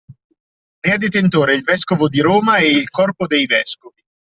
Ne è detentore il Vescovo di Roma e il Corpo dei Vescovi.